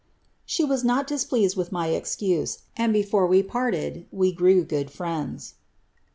She was not displeased with my excuse, before we parted we grew good friends."